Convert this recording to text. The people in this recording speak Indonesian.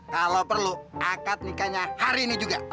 kalau perlu akad nikahnya hari ini juga